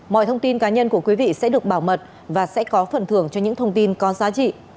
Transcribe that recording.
mọi thông tin cá nhân của quý vị sẽ được bảo mật và sẽ có phần thưởng cho những thông tin có giá trị